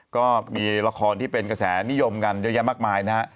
ก็มีละครที่เป็นกระแสนิยมกันเยอะแยะมากมายนะฮะ